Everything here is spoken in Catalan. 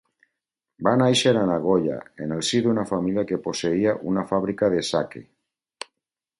Va néixer a Nagoya, en el si d'una família que posseïa una fàbrica de sake.